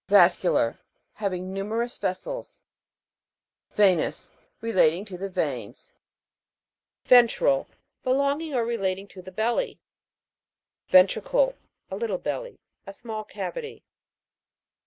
VAS'CULAR. Having numerous ves sels. VE'NOUS. Relating to the veins. VEN'TRAL. Belonging or relating to the belly. VEN'TRICLE. A little belly ; a small cavity.